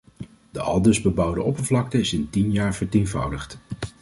De aldus bebouwde oppervlakte is in tien jaar vertienvoudigd.